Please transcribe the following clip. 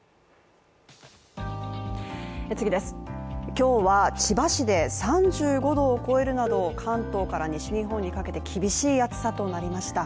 今日は、千葉市で３５度を超えるなど関東から西日本にかけて厳しい暑さとなりました。